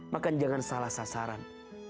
maka jangan salah sasaran